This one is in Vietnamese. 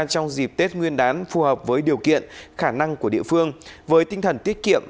trong dịp tết nguyên đán phù hợp với điều kiện khả năng của địa phương với tinh thần tiết kiệm